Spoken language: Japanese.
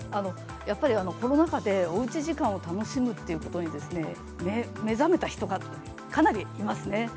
やっぱりコロナ禍でおうち時間を楽しむということで目覚めた人が、かなりいますね。